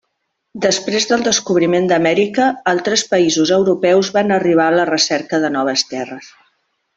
Després del descobriment d'Amèrica, altres països europeus van arribar a la recerca de noves terres.